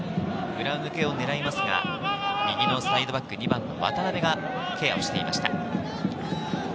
裏抜けを狙いますが、右のサイドバック、２番の渡邊がケアしていました。